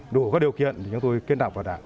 đủ các điều kiện thì chúng tôi kết nạp vào đảng